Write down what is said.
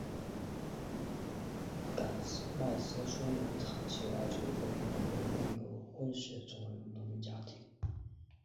戈麦斯生于塔奇拉州一个贫苦的印欧混血种人农民家庭。